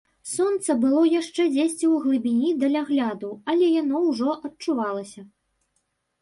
Сонца было яшчэ дзесьці ў глыбіні далягляду, але яно ўжо адчувалася.